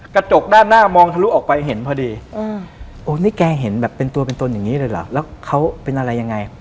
กระจกด้านหน้ามองทะลุออกไปเห็นพอดีโอ้นี่แกเห็นแบบเป็นตัวเป็นตนอย่างนี้เลยเหรอแล้วเขาเป็นอะไรยังไง